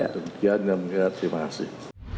demikian yang mulia terima kasih